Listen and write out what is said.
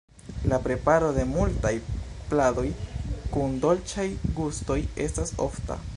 La preparo de multaj pladoj kun dolĉaj gustoj estas ofta.